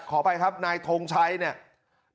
ขออภัยครับนายทงชัยเนี่ย